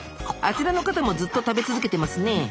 あちらの方もずっと食べ続けてますね。